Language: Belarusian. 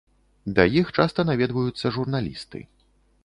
Да іх часта наведваюцца журналісты.